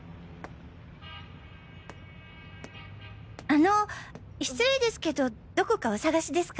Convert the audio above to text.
あの失礼ですけどどこかお探しですか？